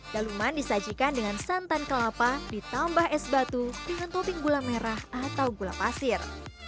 daluman disajikan dengan santan kelapa ditambah es batu dengan topping gula merah atau gula pasir